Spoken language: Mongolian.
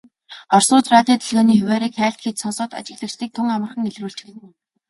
Оросууд радио долгионы хуваарийг хайлт хийж сонсоод ажиглагчдыг тун амархан илрүүлчихнэ.